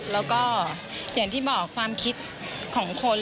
แล้วก็อย่างที่บอกความคิดของคน